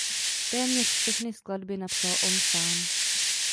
Téměř všechny skladby napsal on sám.